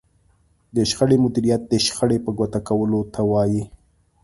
د شخړې مديريت د شخړې په ګوته کولو ته وايي.